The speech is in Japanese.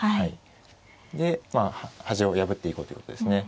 で端を破っていこうということですね。